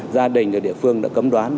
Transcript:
gia đình ở địa phương đã cấm đoán